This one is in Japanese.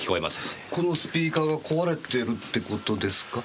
このスピーカーが壊れてるって事ですか？